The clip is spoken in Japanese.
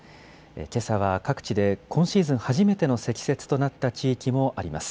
けさは各地で今シーズン初めての積雪となった地域もあります。